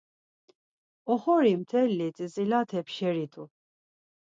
Oxori mteli tzitzilate pşeri t̆u.